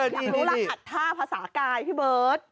อยากรู้แล้วถ้าภาษากายพี่เบิร์ท